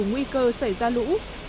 nguy cơ xảy ra lũ